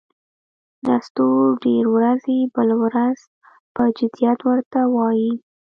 نستوه ډېر ورځي، بله ورځ پهٔ جدیت ور ته وايي: